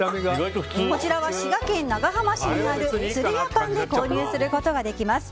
こちらは滋賀県長浜市にあるつるやパンで購入することができます。